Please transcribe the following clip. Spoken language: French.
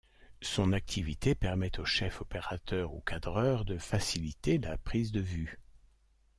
Son activité permet au chef opérateur ou cadreur de faciliter la prise de vue.